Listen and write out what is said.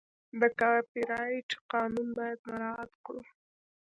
د کاپي رایټ قانون باید مراعت کړو.